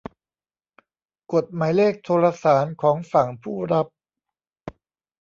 กดหมายเลขโทรสารของฝั่งผู้รับ